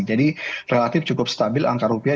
jadi relatif cukup stabil angka rupiah